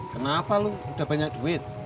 kenapa lu udah banyak duit